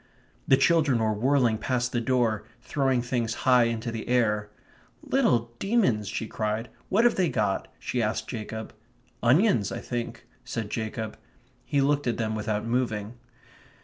The children were whirling past the door, throwing things high into the air. "Little demons!" she cried. "What have they got?" she asked Jacob. "Onions, I think," said Jacob. He looked at them without moving.